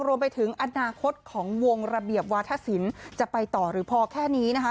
รวมไปถึงอนาคตของวงระเบียบวาธศิลป์จะไปต่อหรือพอแค่นี้นะคะ